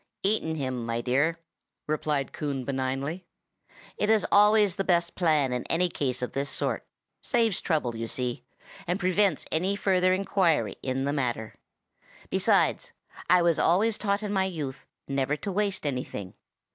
"Eaten him, my dear!" replied Coon, benignly. "It is always the best plan in any case of this sort; saves trouble, you see, and prevents any further inquiry in the matter; besides, I was always taught in my youth never to waste anything.